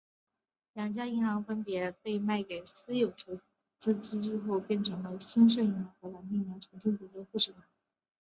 两家银行分别在被卖给私有投资机构后变成了新生银行和蓝天银行重组进了富士银行。